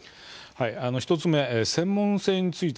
１つ目、専門性について。